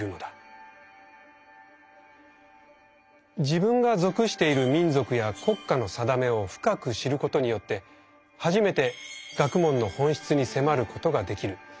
自分が属している「民族」や「国家のさだめ」を深く知ることによって初めて「学問」の本質に迫ることができる。